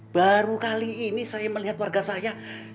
baru kali ini saya melihat warga saya